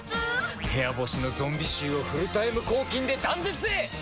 部屋干しのゾンビ臭をフルタイム抗菌で断絶へ！